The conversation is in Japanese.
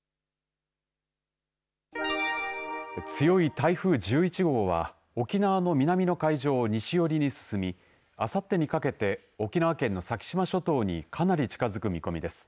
強い台風１１号は沖縄の南の海上を西寄りに進みあさってにかけて、沖縄県の先島諸島にかなり近づく見込みです。